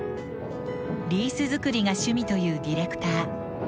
リース作りが趣味というディレクター。